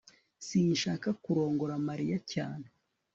sinshaka kurongora mariya cyane